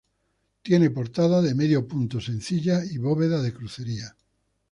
Tiene portada de medio punto sencilla, y bóveda de crucería.